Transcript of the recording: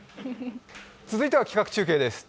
続いては企画中継です。